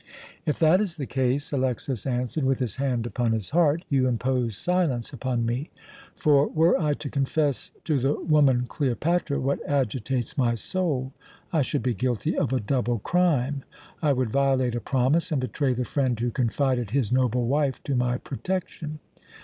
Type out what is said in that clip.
"If that is the case," Alexas answered with his hand upon his heart, "you impose silence upon me; for were I to confess to the woman Cleopatra what agitates my soul, I should be guilty of a double crime I would violate a promise and betray the friend who confided his noble wife to my protection."